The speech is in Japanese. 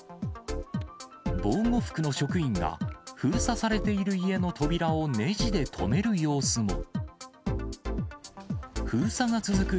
防護服の職員が、封鎖されている家の扉をネジで留める様子も。